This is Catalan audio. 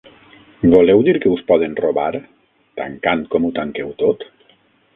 Voleu dir que us poden robar, tancant com ho tanqueu tot?